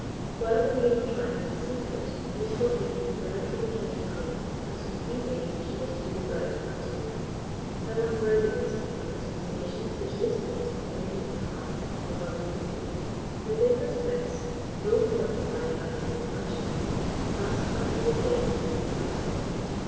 While Ilerie triumphed in secret, the beautiful Hebe learned from the King and Queen that in three days she was to be the bride of Atimir. How unworthy was he of the sensations which this news awakened in the heart of the lovely Hebe. The faithless Prince, though pre occupied by his new passion, passed part of the day in Hebe's company.